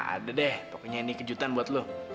ada deh pokoknya ini kejutan buat lo